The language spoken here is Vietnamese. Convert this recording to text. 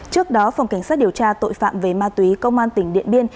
trước đó phòng cảnh sát điều tra tội phạm về ma túy công an tỉnh điện biên